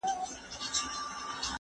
زه موسيقي اورېدلې ده!!